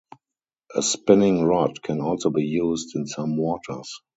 A spinning rod can also be used in some waters.